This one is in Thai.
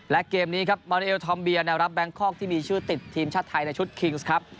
และเกมนี้ครับมาริเอลทอมเบียแนวรับแบงคอกที่มีชื่อติดทีมชาติไทยในชุดคิงส์ครับ